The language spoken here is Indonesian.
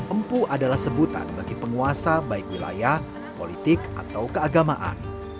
empu adalah sebutan bagi penguasa baik wilayah politik atau keagamaan